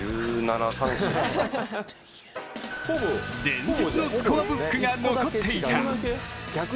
伝説のスコアブックが残っていた。